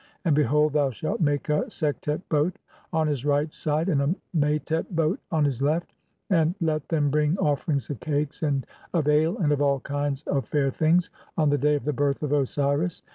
AND BEHOLD, THOU SHALT MAKE A SEKTET BOAT ON HIS RIGHT SIDE, AND A MATET BOAT ON HIS LEFT, AND LET THEM BRING OFFERINGS OF CAKES, AND OF ALE, AND OF ALL KINDS OF FAIR THINGS ON THE DAY OF THE BIRTH OF OSIRIS.